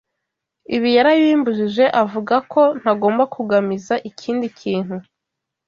Ibi yarabimbujije avuga ko ntagomba kugamiza ikindi kintu